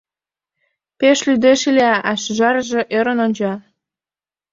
Пеш лудеш Иля, а шӱжарже ӧрын онча.